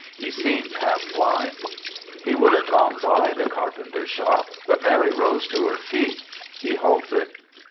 He seemed half blind. He would have gone by the carpenter's shop, but Mary rose to her feet. He halted.